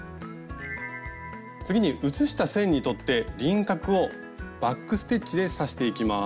次に写した線にとって輪郭をバック・ステッチで刺していきます。